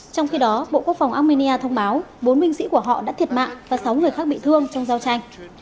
trong khi đó bộ quốc phòng armenia thông báo bốn binh sĩ của họ đã thiệt mạng và sáu người khác bị thương trong giao tranh